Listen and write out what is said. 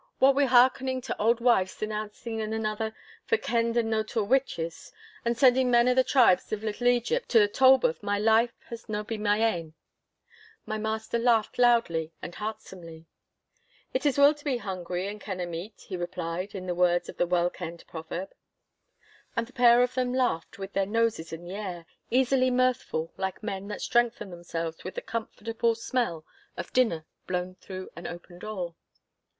What wi' hearkening to auld wives denouncing ane anither for kenned and notour witches, and sending men of the tribes of little Egypt to the Tolbooth, my life has no been my ain.' My master laughed loudly and heartsomely. 'It is weel to be hungry and ken o' meat,' he replied, in the words of the well kenned proverb. And the pair of them laughed with their noses in the air, easily mirthful like men that strengthen themselves with the comfortable smell of dinner blown through an open door.